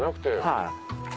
はい。